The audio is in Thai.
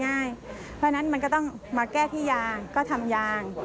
เพราะฉะนั้นมันก็ต้องมาแก้ที่ยางก็ทำยาง